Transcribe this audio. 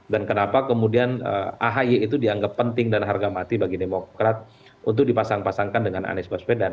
dan kenapa kemudian ahyr itu dianggap penting dan harga mati bagi demokrat untuk dipasang pasangkan dengan anies baswedan